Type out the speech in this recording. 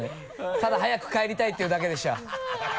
ただ早く帰りたいっていうだけでした。